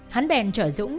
hắn bèn trở dũng